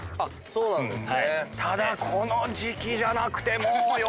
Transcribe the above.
そうなんですよ。